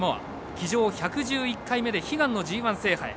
騎乗１１１回目で悲願のＧＩ制覇へ。